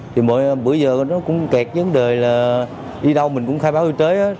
thì bây giờ nó cũng kẹt vấn đề là đi đâu mình cũng khai báo y tế á